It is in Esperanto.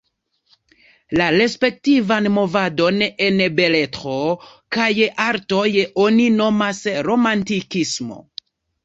La respektivan movadon en beletro kaj artoj oni nomas romantikismo.